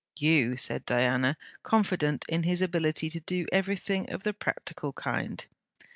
'You!' said Diana, confident in his ability to do every thing of the practical kind.